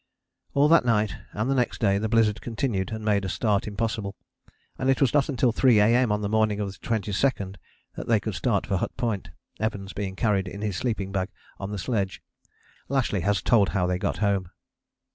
All that night and the next day the blizzard continued and made a start impossible, and it was not until 3 A.M. on the morning of the 22nd that they could start for Hut Point, Evans being carried in his sleeping bag on the sledge. Lashly has told how they got home.